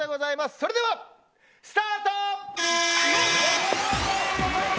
それでは、スタート。